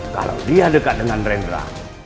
kalau dia dekat dengan rendra